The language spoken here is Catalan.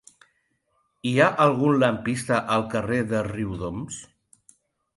Hi ha algun lampista al carrer de Riudoms?